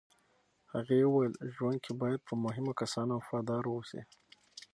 هغې وویل، ژوند کې باید په مهمو کسانو وفادار اوسې.